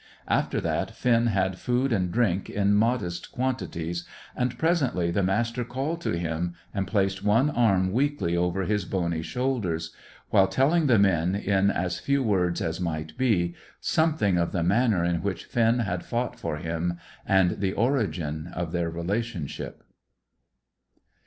After that, Finn had food and drink in modest quantities; and, presently, the Master called to him, and placed one arm weakly over his bony shoulders, while telling the men, in as few words as might be, something of the manner in which Finn had fought for him, and the origin of their relationship.